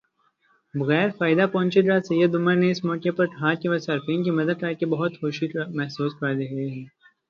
بغیر فائدہ پہنچے گا سید عمر نے اس موقع پر کہا کہ وہ صارفین کی مدد کرکے بہت خوشی محسوس کر رہے ہیں